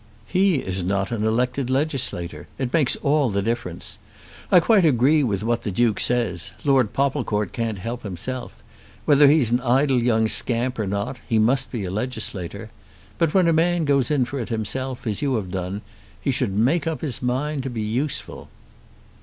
"He is not an elected legislator. It makes all the difference. I quite agree with what the Duke says. Lord Popplecourt can't help himself. Whether he's an idle young scamp or not, he must be a legislator. But when a man goes in for it himself, as you have done, he should make up his mind to be useful."